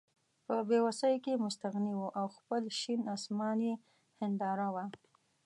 په بې وسۍ کې مستغني وو او خپل شین اسمان یې هېنداره وه.